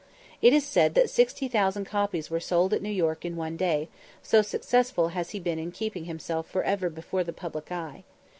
It is said that 60,000 copies were sold at New York in one day, so successful has he been in keeping himself for ever before the public eye.